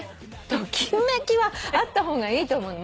ときめきはあった方がいいと思う。